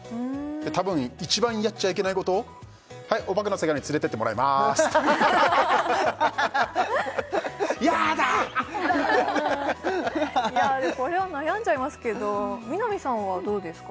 たぶん一番やっちゃいけないこと「はいおばけの世界に連れてってもらいまーす」って「やーだー！」ってでもこれは悩んじゃいますけど南さんはどうですか？